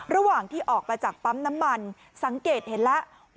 ระหว่างที่ออกมาจากปั๊มน้ำมันสังเกตเห็นแล้ว